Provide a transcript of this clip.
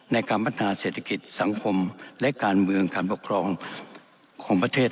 ในการพัฒนาเศรษฐกิจสังคมและการเมืองการปกครองของประเทศ